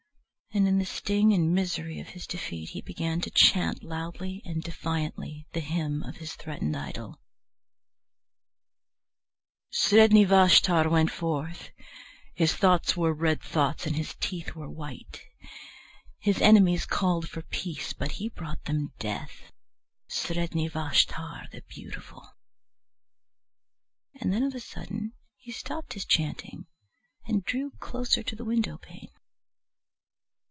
And in the sting and misery of his defeat, he began to chant loudly and defiantly the hymn of his threatened idol: Sredni Vashtar went forth, His thoughts were red thoughts and his teeth were white. His enemies called for peace, but he brought them death. Sredni Vashtar the Beautiful. And then of a sudden he stopped his chanting and drew closer to the window pane.